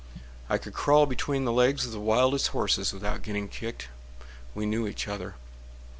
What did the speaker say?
I could crawl between the legs of the wildest horses Without getting kicked—we knew each other.